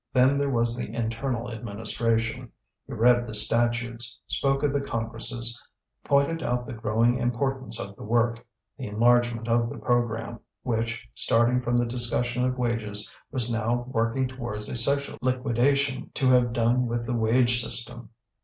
Then there was the internal administration: he read the statutes, spoke of the congresses, pointed out the growing importance of the work, the enlargement of the programme, which, starting from the discussion of wages, was now working towards a social liquidation, to have done with the wage system.